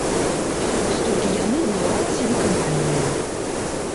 Вось толькі яны наўрад ці выканальныя.